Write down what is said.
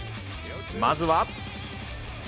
まずは。